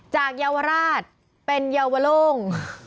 จากเยาวราชเป็นเยาวร่ง